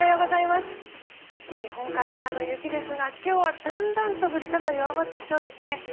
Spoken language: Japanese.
日本海側の雪ですが今日はだんだんと降り方弱まってきそうですね。